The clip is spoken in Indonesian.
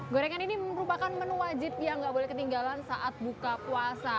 gorengan ini merupakan menu wajib yang gak boleh ketinggalan saat buka puasa